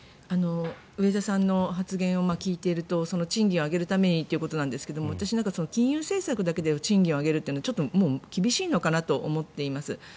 植田さんの発言を聞いていると賃金を上げるためにということですが私、金融政策だけで賃金を上げるのはちょっと厳しいかなと思っています。